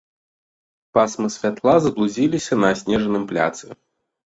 Пасмы святла заблудзіліся на аснежаным пляцы.